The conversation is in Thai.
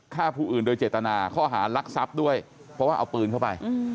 ฆ่าผู้อื่นโดยเจตนาข้อหารักทรัพย์ด้วยเพราะว่าเอาปืนเข้าไป